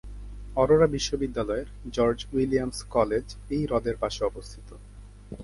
অরোরা বিশ্ববিদ্যালয়ের George Williams college এই হ্রদের পাশে অবস্থিত।